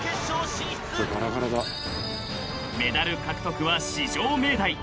［メダル獲得は至上命題］